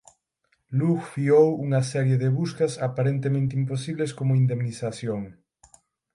Lugh fiou unha serie de buscas aparentemente imposibles como indemnización.